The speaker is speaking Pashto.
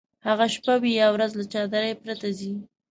هغه شپه وي یا ورځ له چادرۍ پرته ځي.